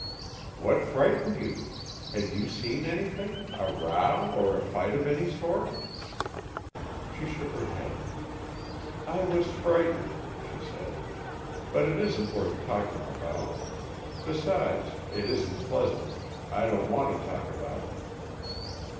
"What frightened you? Had you seen anything, a row, or a fight of any sort?" She shook her head. "I was frightened," she said, "but it isn't worth talking about. Besides, it isn't pleasant. I don't want to talk about it."